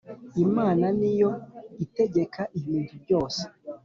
Imana niyo itegeka ibintu byose